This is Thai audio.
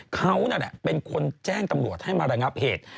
เขานั่นแหละเป็นคนแจ้งตำรวจให้มาระงับเหตุ